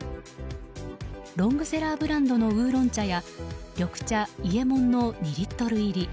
ロングセラーブランドの烏龍茶や緑茶伊右衛門の２リットル入り。